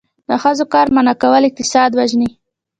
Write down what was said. د ښځو کار منع کول اقتصاد وژني.